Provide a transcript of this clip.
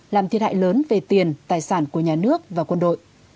làm thiệt hại lớn về tiền tài sản của nhà nước và quân đội